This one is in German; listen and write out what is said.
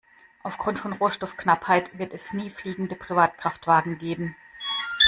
Aufgrund von Rohstoffknappheit wird es nie fliegende Privatkraftwagen geben.